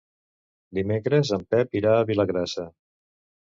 Dimecres en Pep irà a Vilagrassa.